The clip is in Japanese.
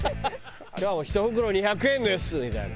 「１袋２００円です」みたいな。